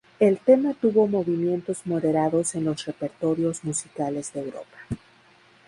El tema tuvo movimientos moderados en los repertorios musicales de Europa.